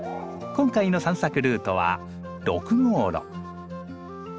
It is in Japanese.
今回の散策ルートは６号路。